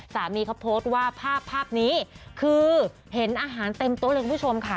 สามีเขาโพสต์ว่าภาพภาพนี้คือเห็นอาหารเต็มโต๊ะเลยคุณผู้ชมค่ะ